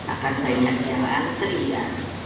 akan banyak yang antri ya